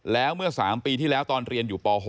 แล้วเมื่อ๓ปีที่แล้วตอนเรียนอยู่ป๖